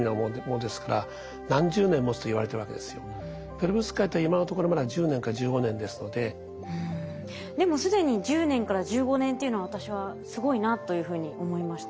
ペロブスカイトに対してでも既に１０年から１５年っていうのは私はすごいなというふうに思いました。